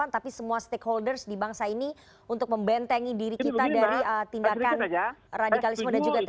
tapi semua stakeholders di bangsa ini untuk membentengi diri kita dari tindakan radikalisme dan juga terorisme